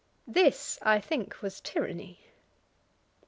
This, I think, was tyranny.